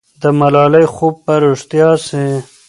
د ملالۍ خوب به رښتیا سي.